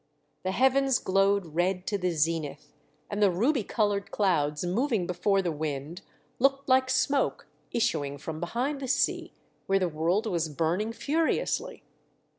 The heavens glowed red to the zenith, and the ruby coloured clouds moving before the wind looked like smoke issuing from behind the sea where the world was burning furiously.